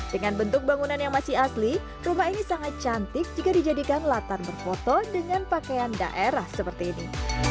dengan bentuk bangunan yang masih asli rumah ini sangat cantik jika dijadikan latar berfoto dengan pakaian daerah seperti ini